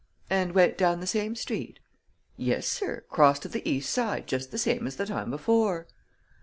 "And went down the same street?" "Yes, sir; crossed to th' east side just th' same as th' time before."